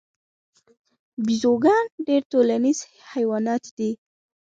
بیزوګان ډیر ټولنیز حیوانات دي